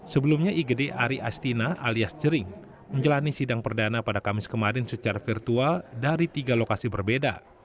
sebelumnya igd ari astina alias jering menjalani sidang perdana pada kamis kemarin secara virtual dari tiga lokasi berbeda